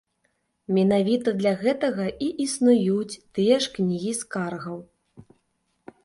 Менавіта для гэтага і існуюць тыя ж кнігі скаргаў.